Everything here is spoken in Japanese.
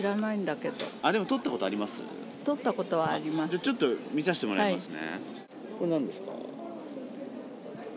ちょっと見させてもらいますね。